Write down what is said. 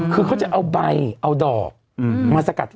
คือเขาจะเอาใบเอาดอก